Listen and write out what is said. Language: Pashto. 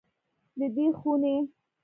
د دې خونې